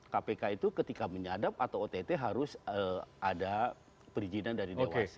kpk itu ketika menyadap atau ott harus ada perizinan dari dewas